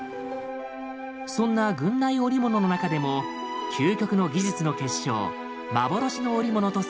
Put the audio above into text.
そんな郡内織物の中でも究極の技術の結晶幻の織物とされるのが。